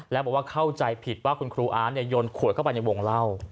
แล้วบอกว่าเข้าใจผิดว่าคุณครูอาร์ตโยนขวดเข้าไปในวงเล่า